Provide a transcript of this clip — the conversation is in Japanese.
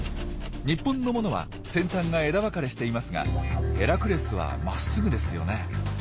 日本のものは先端が枝分かれしていますがヘラクレスはまっすぐですよね。